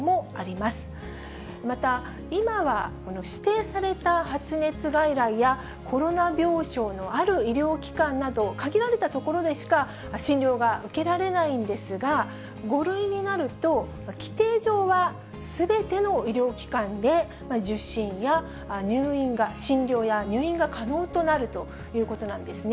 また、今は指定された発熱外来やコロナ病床のある医療機関など、限られたところでしか診療が受けられないんですが、５類になると、規定上はすべての医療機関で受診や入院が、診療や入院が可能となるということなんですね。